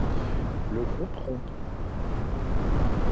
Le groupe rompt.